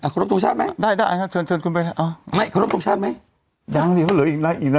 คุยไปอัตเชิญนะ